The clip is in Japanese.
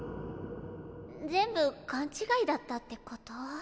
全部かんちがいだったってこと？